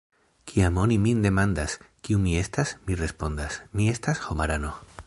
Kiam oni min demandas, kiu mi estas, mi respondas: “Mi estas homarano.”